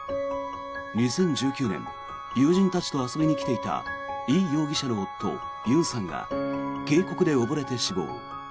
２０１９年友人たちと遊びに来ていたイ容疑者の夫・ユンさんが渓谷で溺れて死亡。